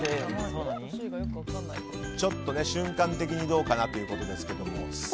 ちょっと瞬間的にどうかなということですけども。